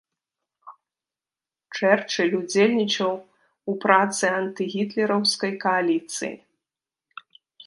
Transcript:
Чэрчыль удзельнічаў у працы антыгітлераўскай кааліцыі.